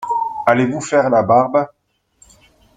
Allez vous faire la barbe.